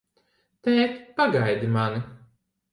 Tēt, pagaidi mani!